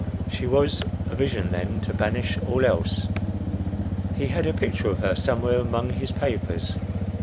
She was a vision then to banish all else. He had a picture of her somewhere among his papers.